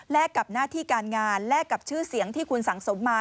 กับหน้าที่การงานแลกกับชื่อเสียงที่คุณสังสมมา